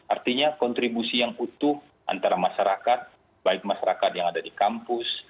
artinya kontribusi yang utuh antara masyarakat baik masyarakat yang ada di kampus